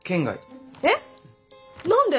えっ何で？